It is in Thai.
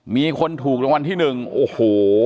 มีคนถูกรางวัลที่๑โอ้โห